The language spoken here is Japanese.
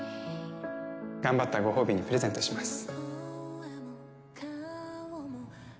頑張ったご褒美にプレゼントします。